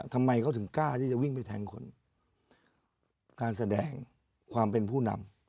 ทำไมเขาถึงกล้าที่จะวิ่งไปแทงคนการแสดงความเป็นผู้นำ